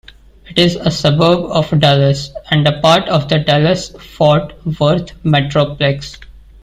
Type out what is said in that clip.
It is a suburb of Dallas and a part of the Dallas-Fort Worth Metroplex.